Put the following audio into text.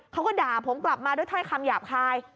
เขาก็ด่าผมกลับมาด้วยถ้อยคำหยาบคาย